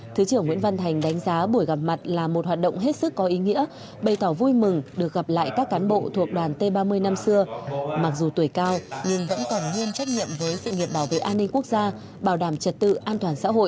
thứ trưởng nguyễn văn thành đánh giá buổi gặp mặt là một hoạt động hết sức có ý nghĩa bày tỏ vui mừng được gặp lại các cán bộ thuộc đoàn t ba mươi năm xưa mặc dù tuổi cao nhưng vẫn còn nguyên trách nhiệm với sự nghiệp bảo vệ an ninh quốc gia bảo đảm trật tự an toàn xã hội